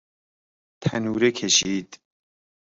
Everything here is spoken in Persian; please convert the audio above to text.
تنوره کشید